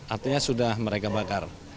artinya sudah mereka bakar